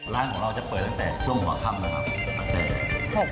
ร้านของเราจะเปิดตั้งแต่ช่วงหัวค่ำนะครับ